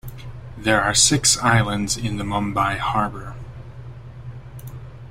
There are six islands in the Mumbai Harbour.